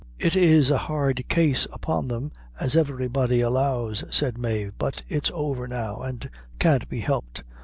"It in a hard case upon them, as every body allows," said Mave, "but it's over now, and can't be helped.